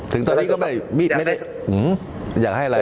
ถึงตอนนี้ก็ไม่ได้อยากให้อะไร